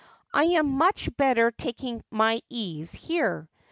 I am much better taking my ease here.